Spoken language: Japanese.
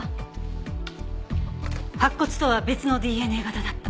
白骨とは別のＤＮＡ型だった。